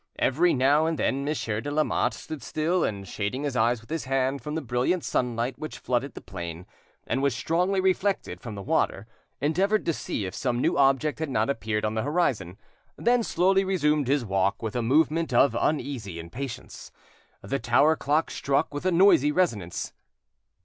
Every now and then Monsieur de Lamotte stood still, and, shading his eyes with his hand from the brilliant sunlight which flooded the plain, and was strongly reflected from the water, endeavoured to see if some new object had not appeared on the horizon, then slowly resumed his walk with a movement of uneasy impatience. The tower clock struck with a noisy resonance.